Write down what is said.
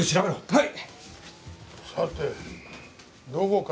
はい！